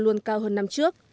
luôn cao hơn năm trước